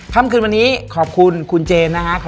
ค่ำคืนวันนี้ขอบคุณคุณเจนนะฮะ